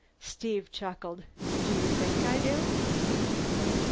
Steve chuckled. "Do you think I do?"